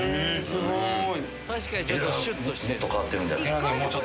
すごい！